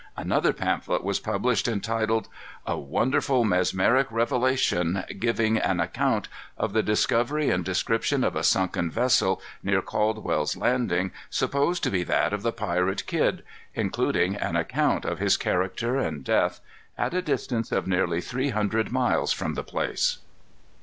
Another pamphlet was published, entitled: "A Wonderful Mesmeric Revelation, giving an Account of the Discovery and Description of a Sunken Vessel, near Caldwell's Landing, supposed to be that of the Pirate Kidd; including an Account of his Character and Death, at a distance of nearly three hundred miles from the place."